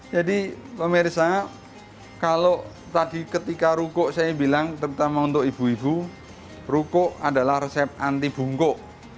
jadi pemirsa kalau tadi ketika ruku saya bilang terutama untuk ibu ibu ruku adalah resep anti bungkung